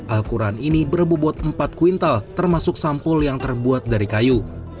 al quran ini berbobot empat kuintal termasuk sampul yang terbuat dari kayu